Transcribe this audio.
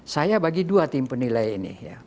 saya bagi dua tim penilai ini